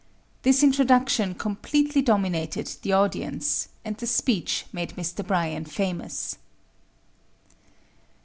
This introduction completely dominated the audience, and the speech made Mr. Bryan famous.